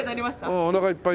うんおなかいっぱいに。